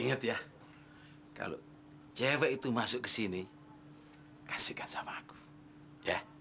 ingat ya kalau cewek itu masuk ke sini kasihkan sama aku ya